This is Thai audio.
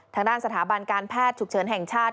ทางด้านสถาบันการแพทย์ฉุกเฉินแห่งชาติ